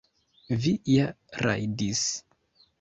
Vi ja rajdis!